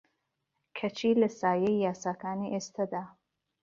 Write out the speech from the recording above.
کەچی لە سایەی یاساکانی ئێستەدا